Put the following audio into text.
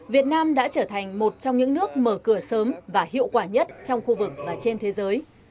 việt nam đã trở thành một trong những nước mở cửa sớm và hiệu quả nhất trong khu vực và trên thế giới